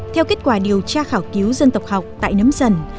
theo kết quả điều tra khảo cứu dân tộc học tại nấm dần